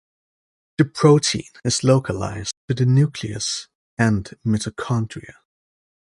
The protein is localized to the nucleus and mitochondria.